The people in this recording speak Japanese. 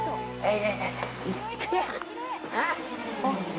あっ。